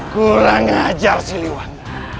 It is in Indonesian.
kurang ajar siliwang